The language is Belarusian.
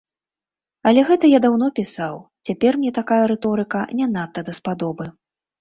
Але гэта я даўно пісаў, цяпер мне такая рыторыка не надта даспадобы.